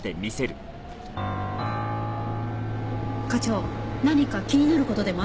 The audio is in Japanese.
課長何か気になる事でもあるんですか？